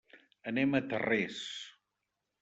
Anem a Tarrés.